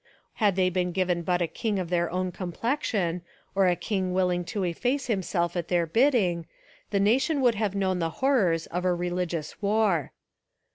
Had they been given but a king of their own complexion, or a king willing to efface himself at their bidding, the nation would have known the horrors of a reli gious war.